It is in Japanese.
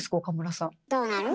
岡村さん。